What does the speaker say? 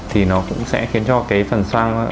thì nó cũng sẽ khiến cho cái phần xoang